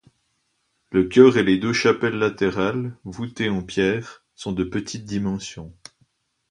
Le chœur et les deux chapelles latérales, voutée en pierre, sont de petites dimensions.